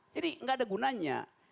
jadi gak ada gunanya